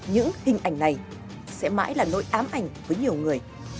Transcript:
những hình ảnh này sẽ mãi là nỗi ám ảnh với nhiều người